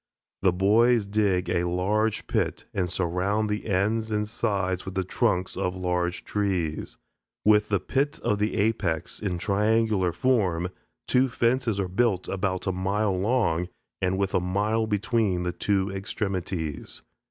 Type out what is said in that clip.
The boys dig a large pit and surround the ends and sides with the trunks of large trees. With the pit of the apex, in triangular form, two fences are built about a mile long, and with a mile between the two extremities.